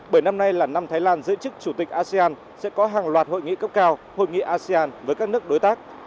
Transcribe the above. bởi năm nay là năm thái lan giữ chức chủ tịch asean sẽ có hàng loạt hội nghị cấp cao hội nghị asean với các nước đối tác